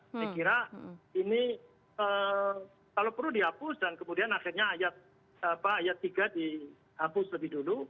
saya kira ini kalau perlu dihapus dan kemudian akhirnya ayat tiga dihapus lebih dulu